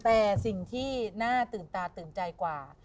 แต่สิ่งที่น่าตื่นตาตื่นใจกว่า